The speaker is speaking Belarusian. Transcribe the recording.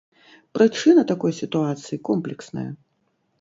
Прычына такой сітуацыі комплексная.